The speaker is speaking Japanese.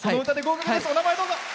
お名前、どうぞ。